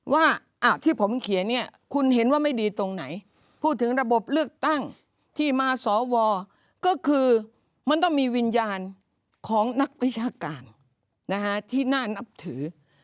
ว่าที่ผมเขียนเนี่ยคุณเห็นว่าไม่ดีตรงไหนพูดถึงระบบเลือกตั้งที่มาสวก็คือมันต้องมีวิญญาณของนักวิชาการที่น่านับถือ